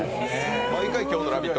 毎回、今日の「ラヴィット！」